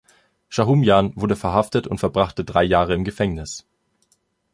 Schahumjan wurde verhaftet und verbrachte drei Jahre im Gefängnis.